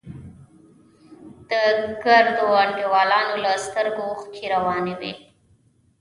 د ګردو انډيوالانو له سترگو اوښکې روانې وې.